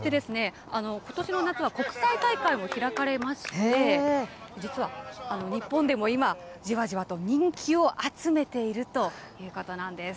ことしの夏は国際大会も開かれまして、実は日本でも今、じわじわと人気を集めているということなんです。